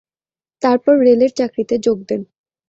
তারপরে রেলের চাকরিতে যোগ দেন।